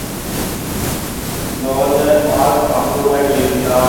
நொதுமற் பாங்குடன் இருந்தான்.